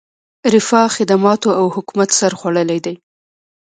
رفاه، خدماتو او حکومت سر خوړلی دی.